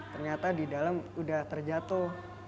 ternyata di dalam udah terjatuh